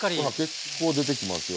結構出てきますよ